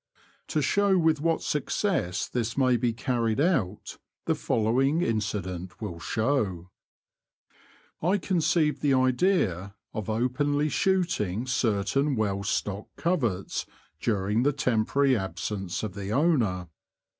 To show with what success this may be carried out, the following incident will show. The Confessions of a T^oacher. ly/ I conceived the idea of openly shooting certain well stocked coverts during the tem porary absence of the owner.